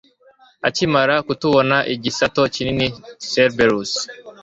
Akimara kutubona igisato kinini Cerberus